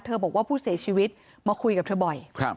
บอกว่าผู้เสียชีวิตมาคุยกับเธอบ่อย